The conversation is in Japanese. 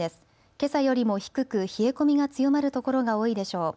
けさよりも低く冷え込みが強まる所が多いでしょう。